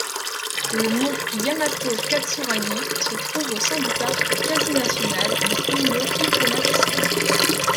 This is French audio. Le mont Yamato Katsuragi se trouve au sein du parc quasi national de Kongō-Ikoma-Kisen.